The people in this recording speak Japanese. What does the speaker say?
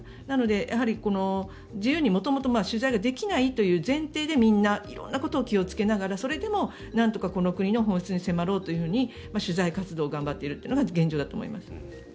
なので、自由に元々取材ができないという前提でみんな色んなことを気をつけながらそれでも、なんとかこの国の本質に迫ろうと取材活動を頑張っているのが現状だと思います。